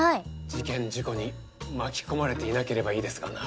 事件事故に巻き込まれていなければいいですがな。